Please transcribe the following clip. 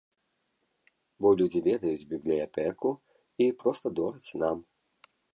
Бо людзі ведаюць бібліятэку і проста дораць нам.